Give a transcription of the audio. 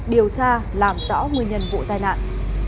điều tra làm rõ nguyên nhân vụ tai nạn